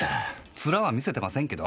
ツラは見せてませんけど。